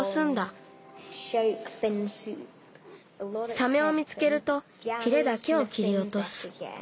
サメを見つけるとヒレだけをきりおとす。